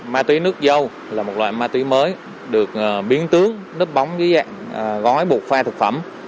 ma túy nước dâu là một loại ma túy mới được biến tướng nếp bóng với dạng gói bột pha thực phẩm